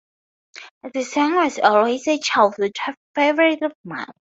The song was always a childhood favorite of mine.